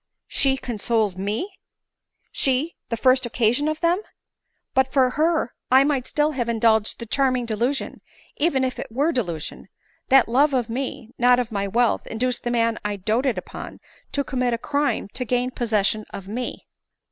" She console me? — she, the first occasion of them ?— But for her, I might still have indulged the charming de lusion, even if it were delusion, that love of me, not of my wealth, induced the man 1 doted upon to commit a crime to gain possession of me."